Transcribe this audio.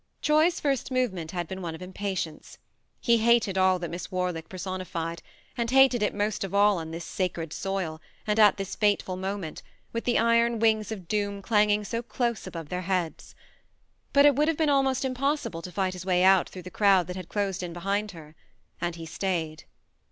Troy's first movement had been one of impatience. He hated all that Miss Warlick personified, and hated it most of all on this sacred soil, and at this fateful moment, with the iron wings of doom clanging so close above their heads. But it would have been almost impossible to fight his way out through the crowd that had closed in behind her and he stayed.